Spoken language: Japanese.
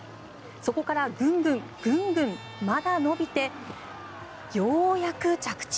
そこからぐんぐん、ぐんぐんまだ伸びてようやく着地。